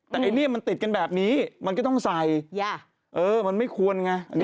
แต่ไอ้เนี่ยมันติดกันแบบนี้มันก็ต้องใส่มันไม่ควรไง